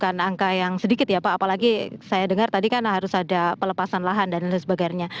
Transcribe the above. bukan angka yang sedikit ya pak apalagi saya dengar tadi kan harus ada pelepasan lahan dan lain sebagainya